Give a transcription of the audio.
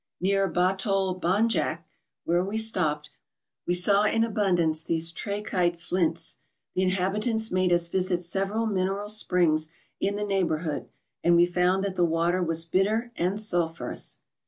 Near Batol Bandjak, where we stopped, we saw in abundance these trachyle flints. The inhabitants made us visit several mineral springs in the neigh¬ bourhood ; and we found that the water was bitter and sulphurous.